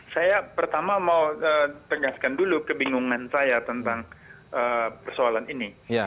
saya pertama mau tegaskan dulu kebingungan saya tentang persoalan ini